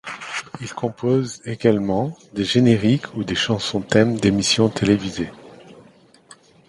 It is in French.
Il compose également des génériques ou des chansons-thème d’émissions télévisées.